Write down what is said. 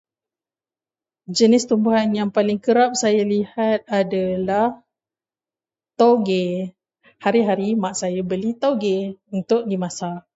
Jenis tumbuhan yang paling kerap saya lihat adalah tauge. Hari-hari mak saya beli tauge untuk dimasak,